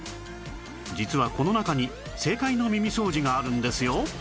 実はこの中に正解の耳掃除があるんですよ